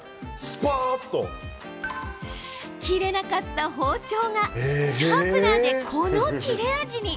切れなかった包丁がシャープナーで、この切れ味に。